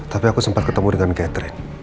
tapi aku sempat ketemu dengan catherine